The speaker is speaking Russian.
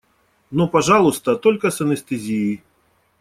Но, пожалуйста, только с анестезией.